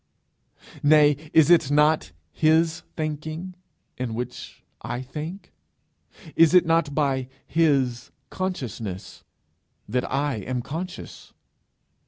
nay, is it not his thinking in which I think? is it not by his consciousness that I am conscious?